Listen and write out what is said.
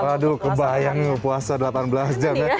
waduh kebayang puasa delapan belas jam ya